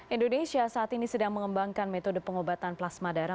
indonesia saat ini sedang mengembangkan metode pengobatan plasma darah